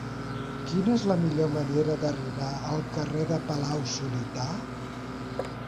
Quina és la millor manera d'arribar al carrer de Palau-solità?